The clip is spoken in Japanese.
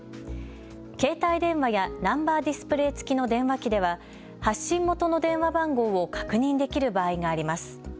携帯電話やナンバーディスプレー付きの電話機では、発信元の電話番号を確認できる場合があります。